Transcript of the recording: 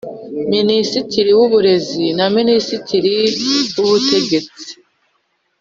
Minisitiri w Uburezi na Minisitiri w Ubutegetsi